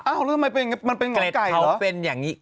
อ้าวแล้วทำไมเป็นอย่างนี้มันเป็นหวานไก่เหรอเป็นอย่างนี้